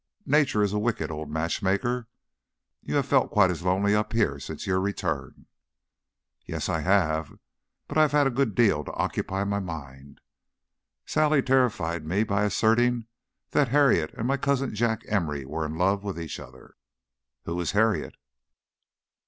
Nature is a wicked old matchmaker. You have felt quite as lonely up here since your return." "Yes, I have! But I have had a good deal to occupy my mind. Sally terrified me by asserting that Harriet and my cousin Jack Emory were in love with each other." "Who is Harriet?"